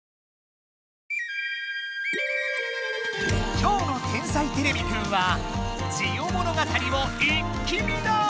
今日の「天才てれびくん」は「ジオ物語」を一気見だ！